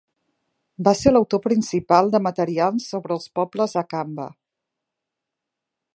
Va ser l'autor principal de materials sobre els pobles akamba.